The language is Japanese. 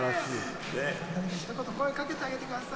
ひと言声をかけてあげてください。